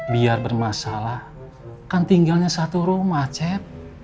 biar bermasalah kan tinggalnya satu rumah cep